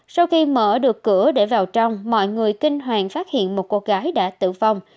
sau khi mở được cửa để vào trong mọi người kinh hoàng phát hiện một cô gái đã tử vong